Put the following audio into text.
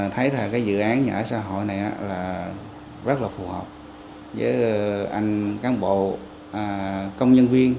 thấy cái dự án nhỏ xã hội này là rất là phù hợp với anh cán bộ công nhân viên